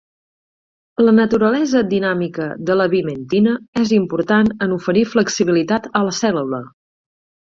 La naturalesa dinàmica de la vimentina és important en oferir flexibilitat a la cèl·lula.